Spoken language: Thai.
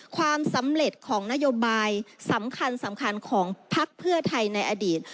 ความสำเร็จของนโยบายสำคัญสำคัญของพักเพื่อไทยในอดีต